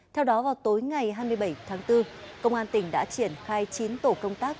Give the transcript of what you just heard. theo đó vào tối ngày hai mươi bảy tháng bốn công an tỉnh đã triển khai chín tổ công tác